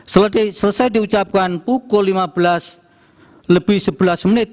selesai diucapkan pukul lima belas lebih sebelas menit